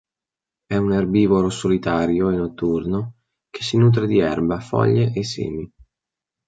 È un erbivoro solitario e notturno che si nutre di erba, foglie e semi.